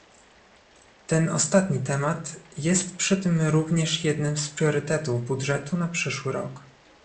Ten ostatni temat jest przy tym również jednym z priorytetów budżetu na przyszły rok